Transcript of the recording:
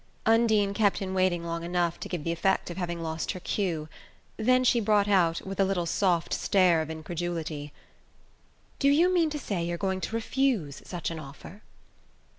Undine kept him waiting long enough to give the effect of having lost her cue then she brought out, with a little soft stare of incredulity: "Do you mean to say you're going to refuse such an offer?"